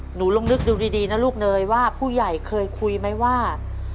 หนูลองนึกดูดีนะลูกเนยว่าผู้ใหญ่เคยคุยไหมว่า